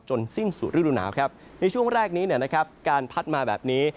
สิ้นสู่ฤดูหนาวครับในช่วงแรกนี้การพัดมาแบบนี้